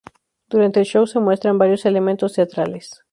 Durante el "show" se muestran varios elementos teatrales.